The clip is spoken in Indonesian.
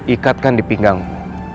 ikatkan di pinggangmu